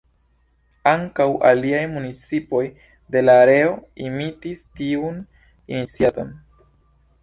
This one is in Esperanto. Ankaŭ aliaj municipoj de la areo imitis tiun iniciaton.